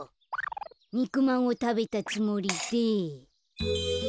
にくまんをたべたつもりで。